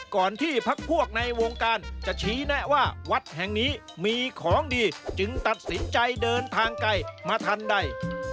ก่อนที่พักพวกในวงการจะชี้แนะว่าวัดแห่งนี้มีของดีจึงตัดสินใจเดินทางไกลมาทันใด